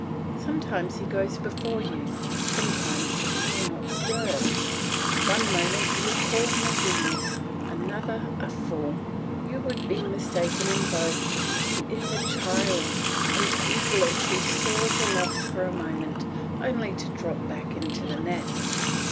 Sometimes he goes before you, sometimes he will not stir. One moment you would call him a genius, another a fool. You would be mistaken in both; he is a child, an eaglet who soars aloft for a moment, only to drop back into the nest.